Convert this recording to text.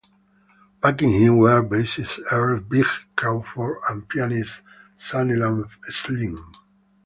Backing him were bassist Ernest "Big" Crawford and pianist Sunnyland Slim.